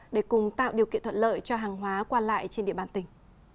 để cùng tạo điều kiện thuận lợi cho hàng hóa qua lại trên địa bàn tỉnh